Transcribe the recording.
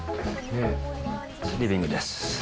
リビングです。